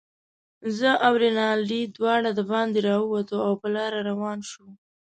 زه او رینالډي دواړه دباندې راووتو، او په لاره روان شوو.